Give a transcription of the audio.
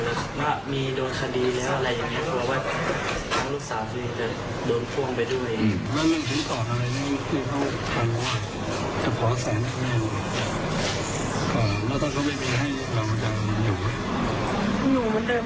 ลูกสาวคุณจะโดนควงไปด้วย